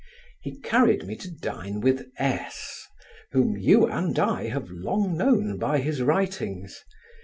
He carried me to dine with S , whom you and I have long known by his writings.